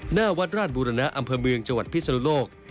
หน้าวัดราชบุรณะอำเภอเมืองจังหวัดพิศนุโลก